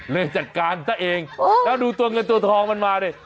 เลยจัดการเเต้าเองแล้วดูตัวเทียนมันมาด้วย